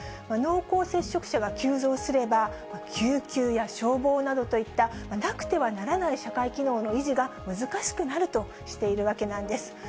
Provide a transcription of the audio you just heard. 濃厚接触者が急増すれば、救急や消防などといった、なくてはならない社会機能の維持が難しくなるとしているわけなんです。